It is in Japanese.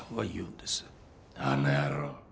あの野郎。